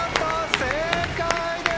正解です！